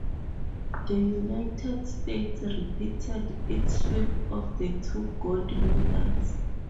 The United States repeated its sweep of the two gold medals.